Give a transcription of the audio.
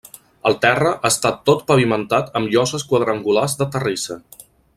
El terra està tot pavimentat amb lloses quadrangulars de terrissa.